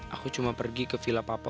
aku cuma pergi ke vila papa